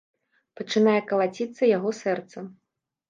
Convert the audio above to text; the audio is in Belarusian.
Пачынае калаціцца яго сэрца.